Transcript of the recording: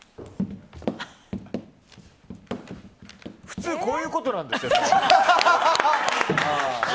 普通こういうことなんですけど。